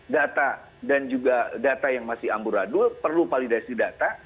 data dan juga data yang masih amburadul perlu validasi data